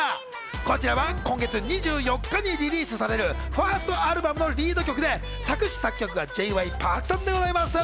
こちらは今月２４日にリリースされるファーストアルバムのリード曲で、作詞・作曲がＪ．Ｙ．Ｐａｒｋさんでございます。